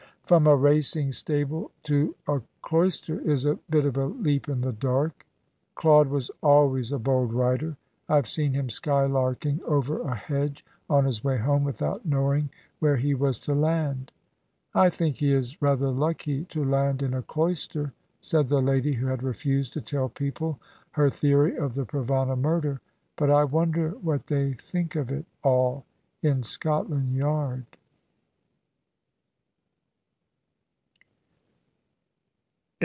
"From a racing stable to a cloister is a bit of a leap in the dark." "Claude was always a bold rider. I've seen him skylarking over a hedge, on his way home, without knowing where he was to land." "I think he is rather lucky to land in a cloister," said the lady who had refused to tell people her theory of the Provana murder. "But I wonder what they think of it all in Scotland Yard!"